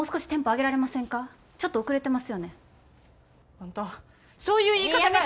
あんたそういう言い方がやな。